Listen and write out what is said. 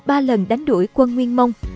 ba lần đánh đuổi quân nguyên mông